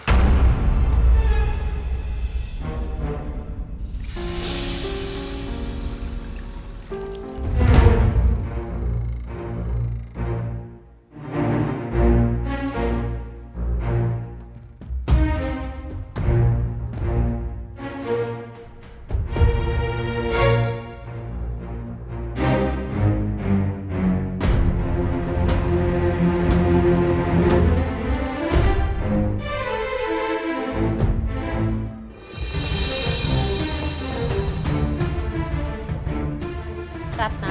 kamu berasa kamu berasa